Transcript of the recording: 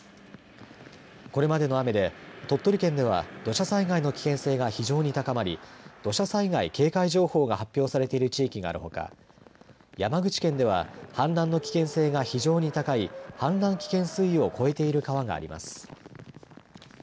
これまでの雨で鳥取県では土砂災害の危険性が非常に高まり土砂災害警戒情報が発表されている地域があるほか山口県では氾濫の危険性が非常に高い氾濫危険水位を越えている川があります。